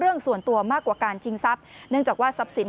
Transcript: เรื่องส่วนตัวมากกว่าการชิงทรัพย์เนื่องจากว่าทรัพย์สิน